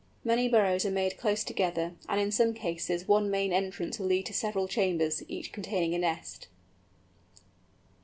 Many burrows are made close together, and in some cases one main entrance will lead to several chambers, each containing a nest.